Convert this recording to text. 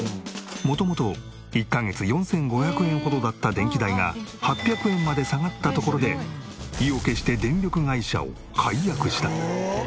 元々１カ月４５００円ほどだった電気代が８００円まで下がったところで意を決して電力会社を解約した。